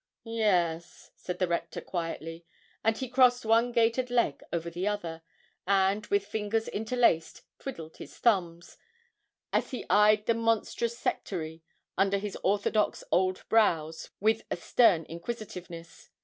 'Yes,' said the Rector, quietly; and he crossed one gaitered leg over the other, and, with fingers interlaced, twiddled his thumbs, as he eyed the monstrous sectary under his orthodox old brows with a stern inquisitiveness.